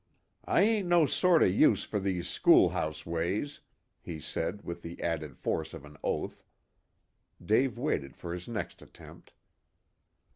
"I ain't no sort o' use for these schoolhouse ways," he said, with the added force of an oath. Dave waited for his next attempt.